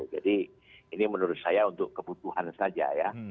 jadi ini menurut saya untuk kebutuhan saja ya